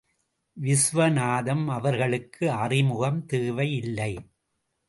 விசுவநாதம் அவர்களுக்கு அறிமுகம் தேவையில்லை.